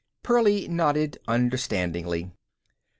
Pearlie nodded understandingly.